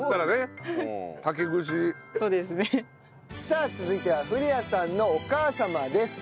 さあ続いては古谷さんのお母様です。